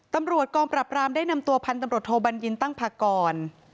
ตำรวจกองปรับรามได้นำตัวพันธุ์ตำรวจโทบัญญินตั้งพากร